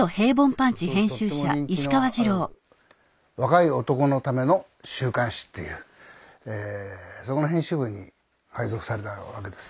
当時とっても人気のある若い男のための週刊誌っていうそこの編集部に配属されたわけです。